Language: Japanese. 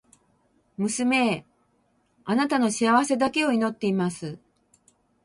娘へ、貴女の幸せだけを祈っています。